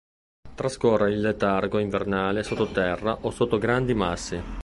Trascorre il letargo invernale sotto terra o sotto grandi massi.